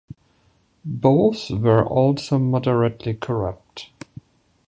Both were also moderately corrupt.